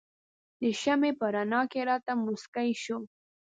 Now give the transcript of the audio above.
د شمعې په رڼا کې راته مسکی شو.